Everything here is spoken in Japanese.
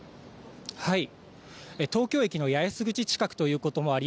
東京駅の八重洲口近くということもあり